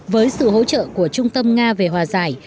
với sự hỗ trợ của trung tâm nga về hòa giải